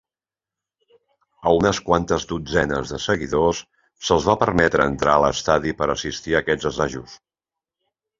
A unes quantes dotzenes de seguidors se'ls va permetre entrar a l'estadi per assistir a aquests assajos.